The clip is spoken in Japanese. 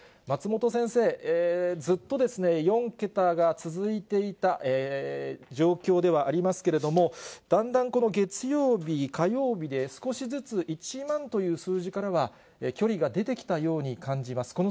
松本先生、ずっと４桁が続いていた状況ではありますけれども、だんだんこの月曜日、火曜日で少しずつ１万という数字からは距離が出てきたように感じます。